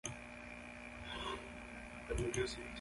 By the time it was completed, he had exhausted his financing.